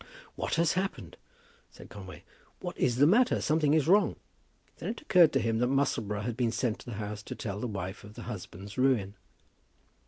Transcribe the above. "What has happened?" said Conway. "What is the matter? Something is wrong." Then it occurred to him that Musselboro had been sent to the house to tell the wife of the husband's ruin.